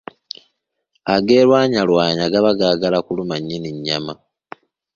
Agerwanyalwanya, gaba gaagala kuluma nnyini nnyama.